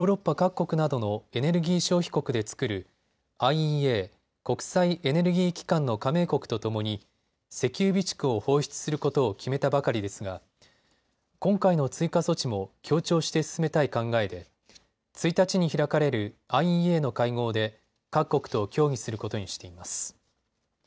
アメリカはロシアによる軍事侵攻のあとの先月１日、日本やヨーロッパ各国などのエネルギー消費国で作るＩＥＡ・国際エネルギー機関の加盟国とともに石油備蓄を放出することを決めたばかりですが今回の追加措置も協調して進めたい考えで１日に開かれるＩＥＡの会合で各国と協議することにしています。